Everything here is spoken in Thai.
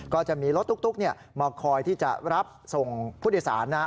ก็จะมีรถตุ๊กมาคอยที่จะรับส่งพุทธศาล